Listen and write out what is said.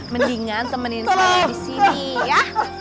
mendingan temenin saya di sini ya